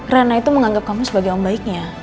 rena itu menganggap kamu sebagai om baiknya